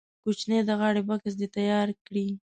کوچنی د غاړې بکس دې تیار کړي.